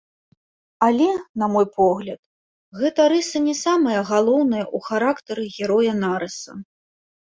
Але, на мой погляд, гэта рыса не самая галоўная ў характары героя нарыса.